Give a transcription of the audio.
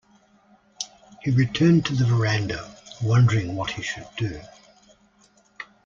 He returned to the verandah wondering what he should do.